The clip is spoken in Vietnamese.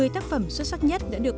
một mươi tác phẩm xuất sắc nhất đã được